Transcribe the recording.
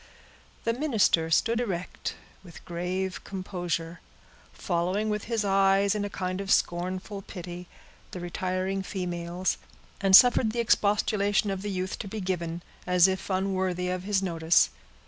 The minister stood erect, with grave composure, following with his eyes, in a kind of scornful pity, the retiring females, and suffered the expostulation of the youth to be given, as if unworthy of his notice.